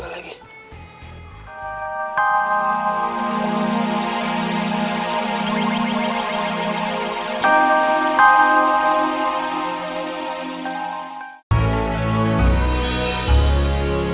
terus ada pembahasan juga